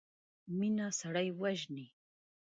مينه سړی وژني.